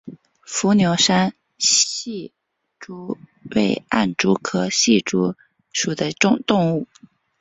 伏牛山隙蛛为暗蛛科隙蛛属的动物。